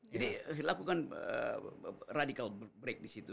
jadi lakukan radical break disitu